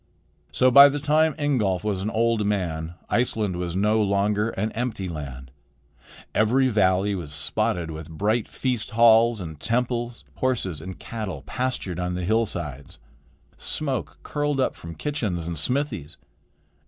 So by the time Ingolf was an old man, Iceland was no longer an empty land. Every valley was spotted with bright feast halls and temples. Horses and cattle pastured on the hillsides. Smoke curled up from kitchens and smithies.